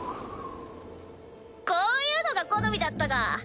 こういうのが好みだったか。